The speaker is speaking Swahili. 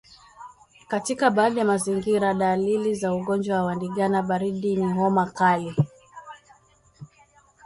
Katika baadhi ya mazingira dalili za ugonjwa wa ndigana baridi ni homa kali